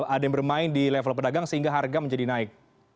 ada yang bermain di level pedagang sehingga harga menjadi naik